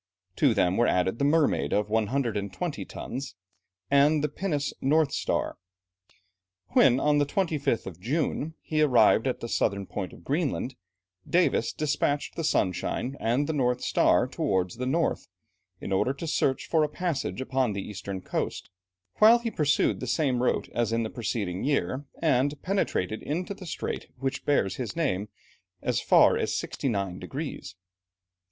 To them were added the Mermaid of 120 tons, and the pinnace North Star. When, on the 25th of June, he arrived at the southern point of Greenland, Davis despatched the Sunshine and the North Star towards the north, in order to search for a passage upon the eastern coast, whilst he pursued the same route as in the preceding year, and penetrated into the strait which bears his name as far as 69 degrees.